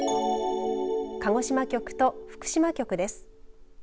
鹿児島局と福島局です。